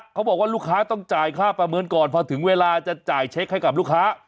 เขาบอกว่าลูกค้าต้องจ่ายค่าประเมินก่อนพอถึงเวลาจะจ่ายเช็คให้กับลูกค้า